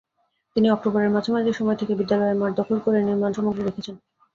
তিনি অক্টোবরের মাঝামাঝি সময় থেকে বিদ্যালয়ের মাঠ দখল করে নির্মাণসামগ্রী রেখেছেন।